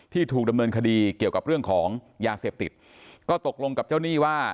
ถูกดำเนินคดีเกี่ยวกับเรื่องของยาเสพติดก็ตกลงกับเจ้าหนี้ว่า